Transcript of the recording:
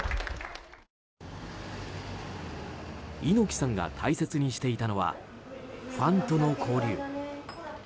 猪木さんが大切にしていたのはファンとの交流。